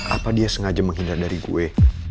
apa dia sengaja menghindar dari gue